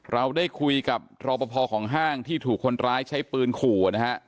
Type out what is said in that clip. เราได้คุยกับรอปภของห้างที่ถูกคนร้ายใช้ปืนขู่นะฮะ